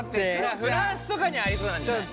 フランスとかにありそうなんじゃない？